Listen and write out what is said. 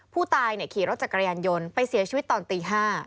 ผู้ตายขี่รถจักรยานยนต์ไปเสียชีวิตตอนตี๕